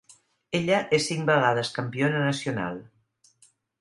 Ella és cinc vegades campiona nacional.